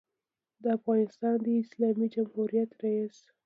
دافغانستان د اسلامي جمهوریت رئیس